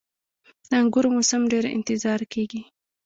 • د انګورو موسم ډیر انتظار کیږي.